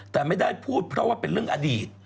แต่ไม่ได้พูดเพราะว่าเป็นเรื่องอดีต